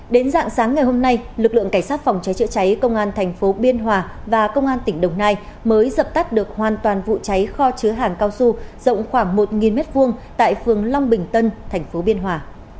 đến dạng sáng ngày hôm nay lực lượng cảnh sát phòng cháy chữa cháy công an thành phố biên hòa và công an tỉnh đồng nai mới dập tắt được hoàn toàn vụ cháy kho chứa hàng cao su rộng khoảng một m hai tại phường long bình tân thành phố biên hòa